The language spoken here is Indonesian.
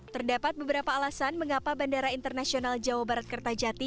terdapat beberapa alasan mengapa bandara internasional jawa barat kertajati